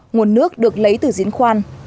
nguồn nước được lấy từ diễn khoan